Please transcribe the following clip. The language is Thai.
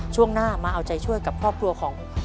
ช่วงหน้ามาเอาใจช่วยกับครอบครัวของ